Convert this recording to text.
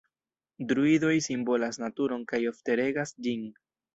Druidoj simbolas naturon kaj ofte regas ĝin.